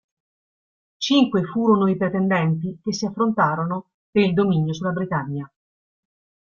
Cinque furono i pretendenti che si affrontarono per il dominio sulla Britannia.